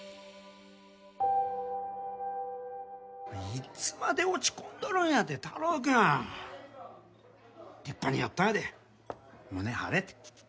いつまで落ち込んどるんやて太郎くん！立派にやったんやで胸張れて！